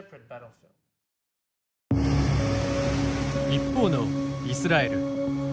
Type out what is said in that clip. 一方のイスラエル。